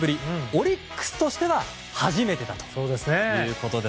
オリックスとしては初めてだということです。